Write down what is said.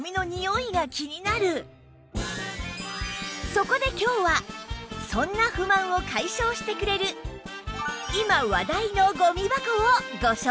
そこで今日はそんな不満を解消してくれる今話題のゴミ箱をご紹介します